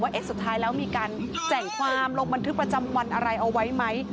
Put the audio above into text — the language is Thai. สุดท้ายแล้วมีการแจ่งความลงบันทึกประจำวันอะไรเอาไว้ไหม